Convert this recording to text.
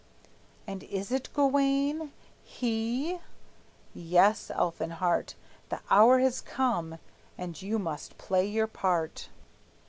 And is it Gawayne? He? Yes, Elfinhart, The hour has come, and you must play your part.